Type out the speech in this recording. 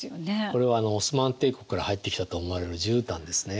これはオスマン帝国から入ってきたと思われるじゅうたんですね。